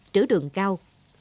trữ đường cao